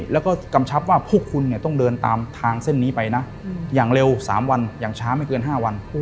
แล้วก็กำชับว่าพวกคุณเนี่ยต้องเดินตามทางเส้นนี้ไปนะอย่างเร็ว๓วันอย่างช้าไม่เกิน๕วัน